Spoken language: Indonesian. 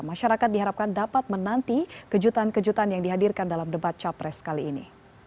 masyarakat diharapkan dapat menanti kejutan kejutan yang dihadirkan dalam debat capres kali ini